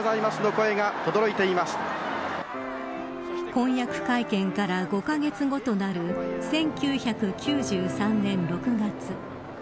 婚約会見から５カ月後となる１９９３年６月